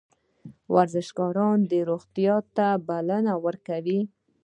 ورزشکار روغتیا ته بلنه ورکوي